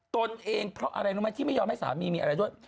ตนเองเพราะอะไรรู้ไหมที่ไม่ยอมให้สามีมีอะไรด้วย